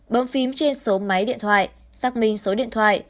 bơm phím trên số máy điện thoại xác minh số điện thoại